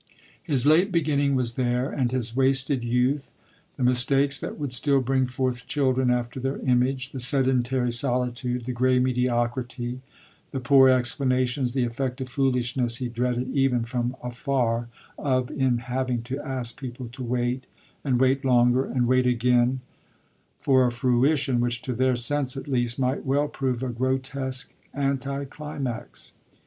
His late beginning was there and his wasted youth, the mistakes that would still bring forth children after their image, the sedentary solitude, the grey mediocrity, the poor explanations, the effect of foolishness he dreaded even from afar of in having to ask people to wait, and wait longer, and wait again, for a fruition which to their sense at least might well prove a grotesque anti climax.